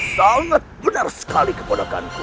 sangat benar sekali kebodohanku